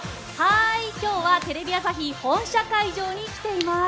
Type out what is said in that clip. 今日はテレビ朝日本社会場に来ています。